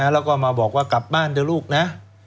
แล้วก็มาบอกว่ากลับบ้านเถอะลูกนะ